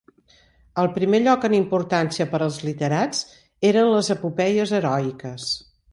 El primer lloc en importància per als literats eren les epopeies heroiques.